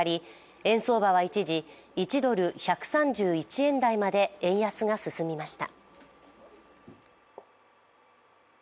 円相場は一時、１ドル＝１３１円台まで円安が進みました。